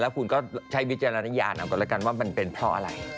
แล้วคุณก็ให้วิชญาณยาธิว่าว่ามันเป็นเพราะอะไร